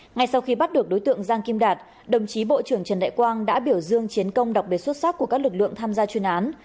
ngay sau khi bắt được đối tượng giang kim đạt đồng chí bộ trưởng trần đại quang đã biểu dương chiến công đặc biệt xuất sắc của các lực lượng tham gia chuyên án